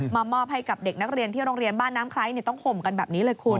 มอบให้กับเด็กนักเรียนที่โรงเรียนบ้านน้ำไคร้ต้องห่มกันแบบนี้เลยคุณ